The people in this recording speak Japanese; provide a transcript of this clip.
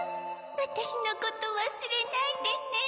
わたしのことわすれないでね。